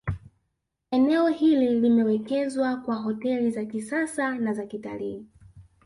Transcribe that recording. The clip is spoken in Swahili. Eneo hili limewekezwa kwa hoteli za kisasa na zakitalii